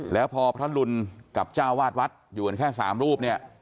แล้วพอพระท่านหลุนกับเจ้าวาดวัดอยู่กันแค่สามรูป